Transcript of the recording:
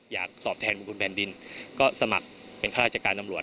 อยากตอบแทนบุญคุณแผ่นดินก็สมัครเป็นข้าราชการตำรวจ